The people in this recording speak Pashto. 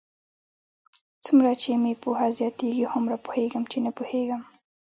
څومره چې مې پوهه زیاتېږي، هومره پوهېږم؛ چې نه پوهېږم.